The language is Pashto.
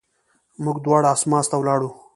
موږ دواړه اسماس ته ولاړو.